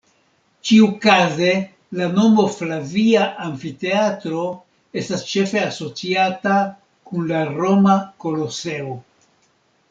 Ĉiukaze la nomo "Flavia Amfiteatro" estas ĉefe asociata kun la Roma Koloseo.